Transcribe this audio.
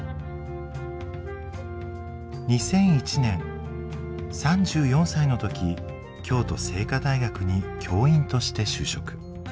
２００１年３４歳の時京都精華大学に教員として就職。